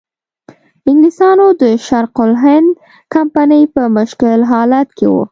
انګلیسانو د شرق الهند کمپنۍ په مشکل حالت کې وه.